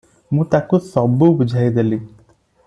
ମୁଁ ତାକୁ ସବୁ ବୁଝାଇଦେଲି ।